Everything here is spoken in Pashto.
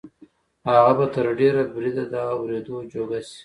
هغه به تر ډېره بریده د اورېدو جوګه شي